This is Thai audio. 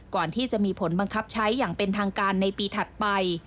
ก่อนที่จะมีผลบังคับใช้อย่างเป็นทางการในปีถัดไป